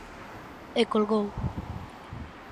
E colgou.